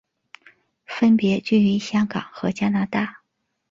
分别居于香港和加拿大。